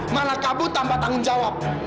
malah kabur tanpa tanggung jawab